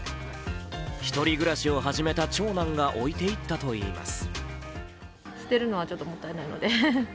１人暮らしを始めた長男が置いていったといいます。